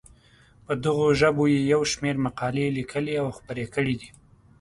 په دغو ژبو یې یو شمېر مقالې لیکلي او خپرې کړې دي.